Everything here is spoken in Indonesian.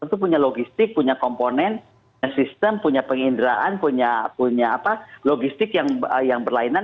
tentu punya logistik punya komponen punya sistem punya penginderaan punya logistik yang berlainan